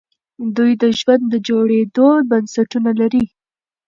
دوی د ژوند د جوړېدو بنسټونه لري.